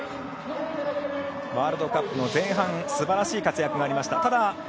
ワールドカップの前半すばらしい活躍がありました。